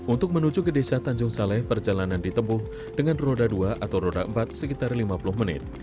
untuk menuju ke desa tanjung saleh perjalanan ditempuh dengan roda dua atau roda empat sekitar lima puluh menit